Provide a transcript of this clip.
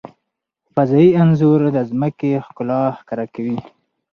فضايي انځور د ځمکې ښکلا ښکاره کوي.